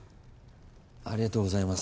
ありがとうございます。